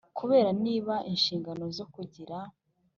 kureba niba inshingano zo kugira